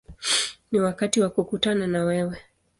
Ni wakati wa kukutana na wewe”.